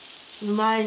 うまい？